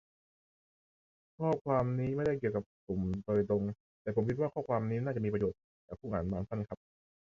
ข้อความนี้ไม่ได้เกี่ยวกับกลุ่มโดยตรง แต่ผมคิดว่าข้อความนี้น่าจะมีประโยชน์กับผู้อ่านบางท่านครับ